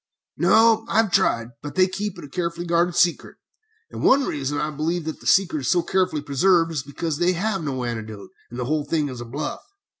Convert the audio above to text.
"No, I have tried, but they keep it a carefully guarded secret. One reason why I believe that the secret is so carefully preserved is because they have no antidote, and the whole thing is a bluff.